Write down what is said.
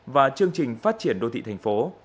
và chương trình phát triển đô thị thành phố